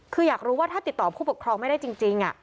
คืออยากรู้ว่าถ้าติดต่อผู้ปกครองไม่ได้จริง